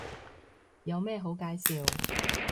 有咩好介紹